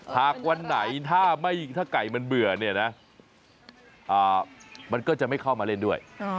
หากวันไหนถ้าไก่มันเบื่อเนี่ยนะมันก็จะไม่เข้ามาเล่นด้วย